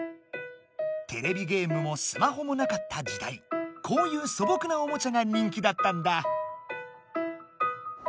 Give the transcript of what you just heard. テレビゲームもスマホもなかった時代こういうそぼくなおもちゃが人気だったんだ。